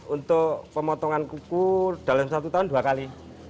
untuk pemotongan kuku dalam satu tahun dua kali